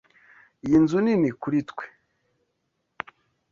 Iyi nzu nini kuri twe.